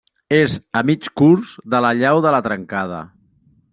És a mig curs de la llau de la Trencada.